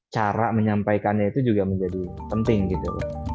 cara menyampaikannya itu juga menjadi penting gitu